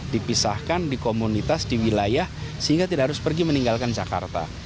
dipisahkan di komunitas di wilayah sehingga tidak harus pergi meninggalkan jakarta